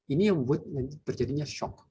ini yang membuat terjadinya shock